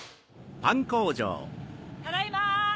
・ただいま！